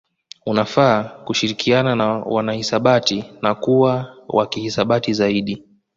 Unafaa kushirikiana na wanahisabati na kuwa wa kihisabati zaidi